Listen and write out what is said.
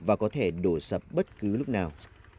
và có thể đổ sập bất cứ lúc nào